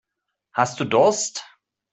Hast du Durst?